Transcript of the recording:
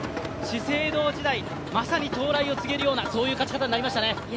資生堂時代、まさに到来を告げるような勝ち方をしましたね。